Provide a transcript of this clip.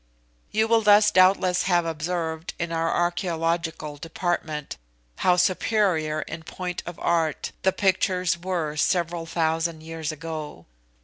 You will thus doubtless have observed in our archaeological department how superior in point of art the pictures were several thousand years ago.